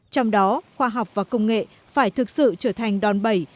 trong đó khoa học và công nghệ phải thực sự trở thành đòn bẩy